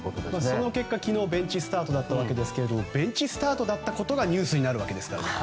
その結果、昨日はベンチスタートだったんですがベンチスタートだったことがニュースになるわけですから。